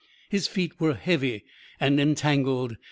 His feet were heavy and entangled.